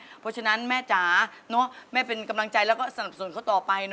เพราะฉะนั้นแม่จ๋าแม่เป็นกำลังใจแล้วก็สนับสนุนเขาต่อไป